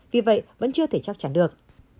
vì vậy vẫn chưa thể chắc chắn được